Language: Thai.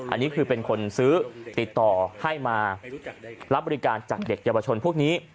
อันนี้คือเป็นคนซื้อติดต่อให้มารับบริการจากเด็กเยาวชนพวกนี้